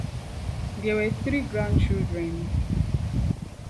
There were three grandchildren.